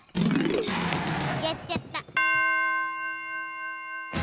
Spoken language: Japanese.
やっちゃった。